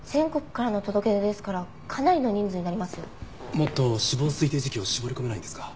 もっと死亡推定時期を絞り込めないんですか？